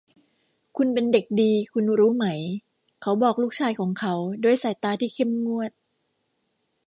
คุณเป็นเด็กดีคุณรู้ไหม เขาบอกลูกชายของเขาด้วยสายตาที่เข้มงวด